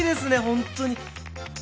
本当に。